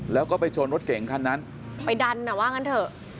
แล้วก็ไปชนรถเก่งคันนั้นไปดันอ่ะว่างั้นเถอะ